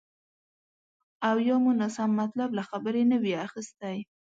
او یا مو ناسم مطلب له خبرې نه وي اخیستی